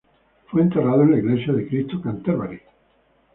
Fue enterrado en la iglesia de Cristo, Canterbury.